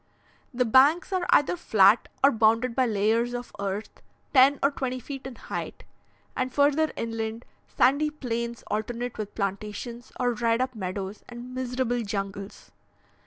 The banks are either flat or bounded by layers of earth ten or twenty feet in height, and, further inland, sandy plains alternate with plantations or dried up meadows and miserable jungles.